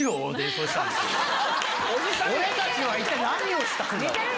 俺たちは一体何をしたんだ